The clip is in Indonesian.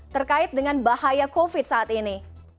terkait dengan bahaya covid saat ini